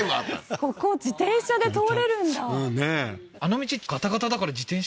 ここ自転車で通れるんだうんねえ